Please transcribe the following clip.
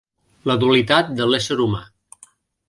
La dualitat de l'ésser humà.